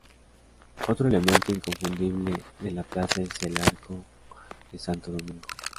Otro elemento inconfundible de la plaza es el "Arco de Santo Domingo".